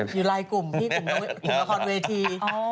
อยู่ลายกลุ่มอยู่กลุ่มละครเวที